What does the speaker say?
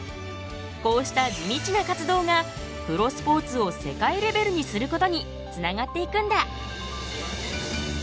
こうした地道な活動がプロスポーツを世界レベルにすることにつながっていくんだ。